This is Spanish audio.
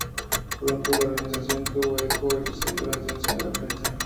Pronto, la organización tuvo eco y recibió la atención de la prensa.